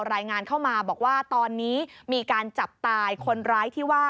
รายงานเข้ามาบอกว่าตอนนี้มีการจับตายคนร้ายที่ว่า